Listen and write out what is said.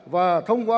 và thông qua